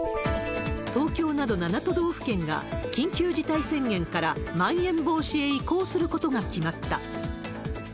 東京など７都道府県が、緊急事態宣言からまん延防止へ移行することが決まった。